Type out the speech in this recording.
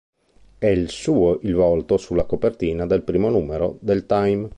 È il suo il volto sulla copertina del primo numero del "Time".